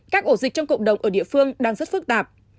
các ổ dịch trong cộng đồng ở địa phương đang rất phức tạp